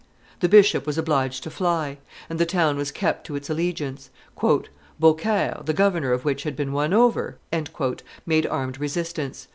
the bishop was obliged to fly, and the town was kept to its allegiance. "Beaucaire, the governor of which had been won over," made armed resistance.